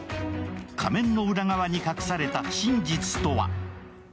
仮面の裏側に隠された真実とは？